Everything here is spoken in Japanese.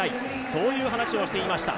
そういう話をしていました。